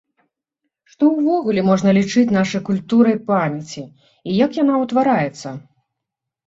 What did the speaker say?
Што ўвогуле можна лічыць нашай культурай памяці і як яна ўтвараецца?